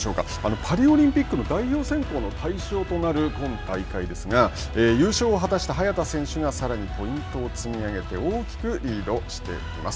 パリオリンピックの代表選考の対象となる今大会ですが、優勝を果たした早田選手がさらにポイントを積み上げて大きくリードしています。